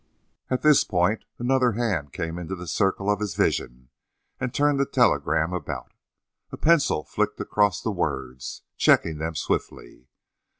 At this point another hand came into the circle of his vision and turned the telegram about. A pencil flicked across the words, checking them swiftly.